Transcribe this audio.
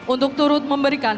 untuk turut memberikan